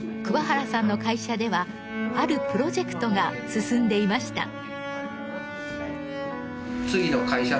桑原さんの会社ではあるプロジェクトが進んでいました。